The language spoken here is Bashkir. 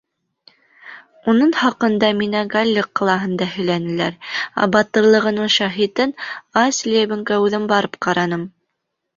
Уныц хаҡында миңә һалле ҡалаһында һөйләнеләр, ә батырлығының шаһитен Айслебенгә үҙем барып ҡараным.